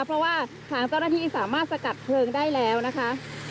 เพราะว่าทางเจ้าหน้าที่สามารถสกัดเพลิงได้แล้วนะคะ